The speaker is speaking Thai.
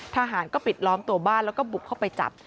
ทหารก็ปิดล้อมตัวบ้านแล้วก็บุกเข้าไปจับ